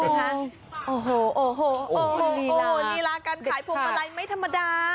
โอ้โหโอ้โหลีลาการขายพวงมาลัยไม่ธรรมดา